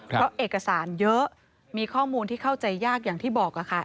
เพราะเอกสารเยอะมีข้อมูลที่เข้าใจยากอย่างที่บอกค่ะ